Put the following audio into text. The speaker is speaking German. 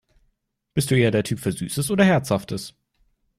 Bist du eher der Typ für Süßes oder Herzhaftes?